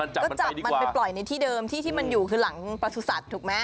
ก็จับมันไปปล่อยในที่เดิมที่ที่มันอยู่คือหลังประสุทธิ์ถูกไหม